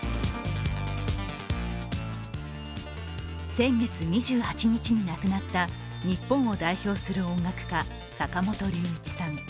先月２８日に亡くなった日本を代表する音楽家・坂本龍一さん。